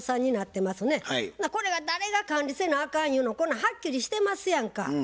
これは誰が管理せなあかんゆうのこんなんはっきりしてますやんか。